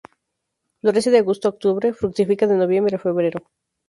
Florece de agosto a octubre; fructifica de noviembre a febrero.